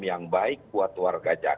yang baik buat warga jakarta